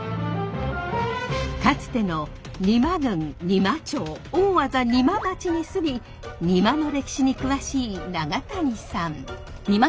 かつての邇摩郡仁摩町大字仁万町に住みにまの歴史に詳しい長谷さん。